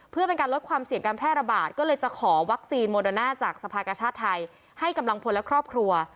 เพื่อเป็นการลดความเสี่ยงการแพร่ระบาดก็เลยจะขอวัคซีนโมโดน่าจากสภากชาติไทยให้กำลังพลและครอบครัว